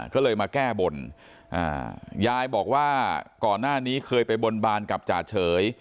ก็เลยมาแก้บนยายบอกว่าก่อนหน้านี้เคยไปบนบานกับจ่าเฉย